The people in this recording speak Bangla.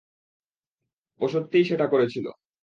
ও সত্যিই সেটা করেছিল।